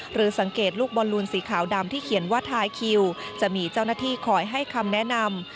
หรือสังเกตลูกบอลลูนสีขาวดำที่เขียนว่าทายคิวจะมีเจ้าหน้าที่คอยให้คำแนะนำ